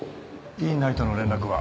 院内との連絡は？